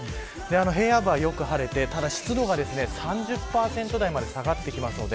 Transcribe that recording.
平野部はよく晴れて、ただ湿度は３０％台まで下がってきます。